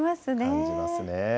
感じますね。